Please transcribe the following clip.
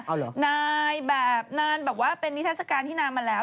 เอาเหรอนายแบบนานแบบว่าเป็นนิทัศกาลที่นานมาแล้ว